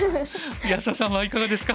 安田さんはいかがですか？